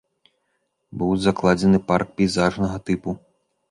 Быў закладзены парк пейзажнага тыпу.